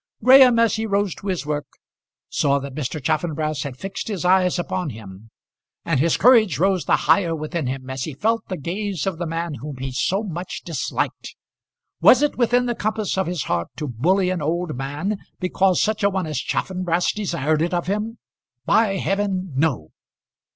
Graham, as he rose to his work, saw that Mr. Chaffanbrass had fixed his eye upon him, and his courage rose the higher within him as he felt the gaze of the man whom he so much disliked. Was it within the compass of his heart to bully an old man because such a one as Chaffanbrass desired it of him? By heaven, no!